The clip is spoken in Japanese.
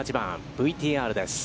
ＶＴＲです。